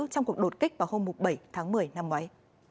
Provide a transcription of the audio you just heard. trong cuộc đột kích vào hôm bảy tháng một mươi năm ngoái